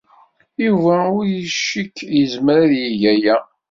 Yuba ur icikk yezmer ad yeg aya.